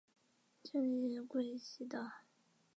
旧隶贵西道。